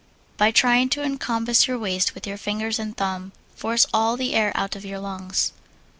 By trying to encompass your waist with your fingers and thumbs, force all the air out of the lungs.